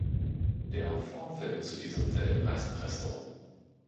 Der Vorfilm zu diesem Film heißt "Presto".